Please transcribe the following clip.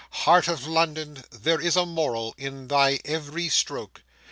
Heart of London, there is a moral in thy every stroke!